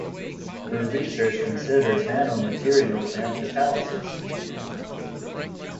Her research considers nanomaterials and catalysis.